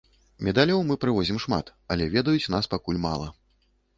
Медалёў мы прывозім шмат, але ведаюць нас пакуль мала.